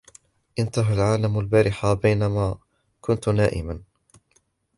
انتهى العالم البارحة بينما كنت نائما.